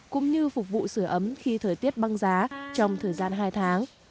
cũng như phục vụ sửa ấm khi thời tiết băng giá trong thời gian hai tháng